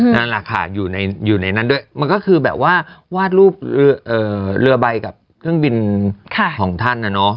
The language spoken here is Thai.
นั่นแหละค่ะอยู่ในนั้นด้วยมันก็คือแบบว่าวาดรูปเรือใบกับเครื่องบินของท่านนะเนอะ